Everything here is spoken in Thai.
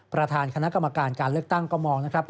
ประธานคณะกรรมการการเลือกตั้งก็มองนะครับ